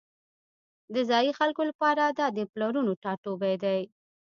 د ځایی خلکو لپاره دا د پلرونو ټاټوبی دی